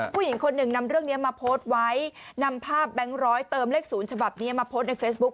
ผู้หญิงคนหนึ่งนำเรื่องนี้มาโพสต์ไว้นำภาพแบงค์ร้อยเติมเลข๐ฉบับนี้มาโพสต์ในเฟซบุ๊ค